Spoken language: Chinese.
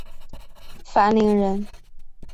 樊陵人。